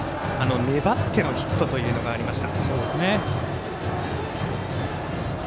粘ってのヒットがありました。